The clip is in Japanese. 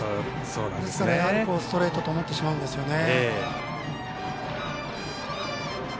ですからストレートと思ってしまうんですよね。